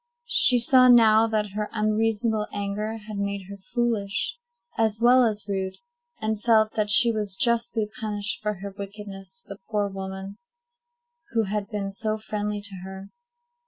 She saw now that her unreasonable anger had made her foolish as well as rude, and felt that she was justly punished for her wickedness to the poor woman who had been so friendly to her.